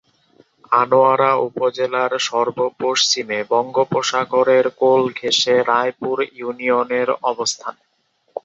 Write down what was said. আনোয়ারা উপজেলার সর্ব-পশ্চিমে বঙ্গোপসাগরের কোল ঘেঁষে রায়পুর ইউনিয়নের অবস্থান।